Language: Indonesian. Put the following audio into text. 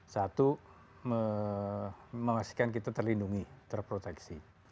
satu memastikan kita terlindungi terproteksi